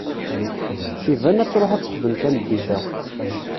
Iban ad tṛuḥ ad texdem tameddit-a.